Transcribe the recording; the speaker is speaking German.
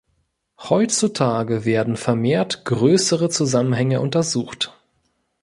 Heutzutage werden vermehrt größere Zusammenhänge untersucht.